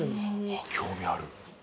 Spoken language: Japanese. あっ興味ある。